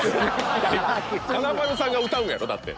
華丸さんが歌うんやろ？だって。